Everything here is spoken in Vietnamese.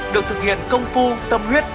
được thực hiện công phu tâm huyết